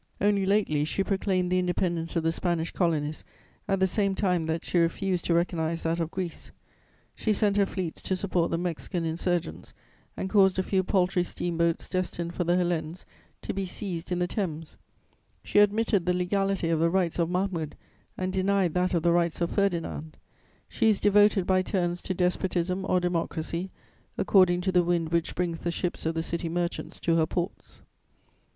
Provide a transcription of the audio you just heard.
Only lately she proclaimed the independence of the Spanish Colonies at the same time that she refused to recognise that of Greece; she sent her fleets to support the Mexican insurgents and caused a few paltry steamboats destined for the Hellenes to be seized in the Thames; she admitted the legality of the rights of Mahmud and denied that of the rights of Ferdinand; she is devoted by turns to despotism or democracy according to the wind which brings the ships of the City merchants to her ports.